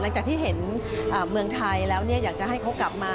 หลังจากที่เห็นเมืองไทยแล้วอยากจะให้เขากลับมา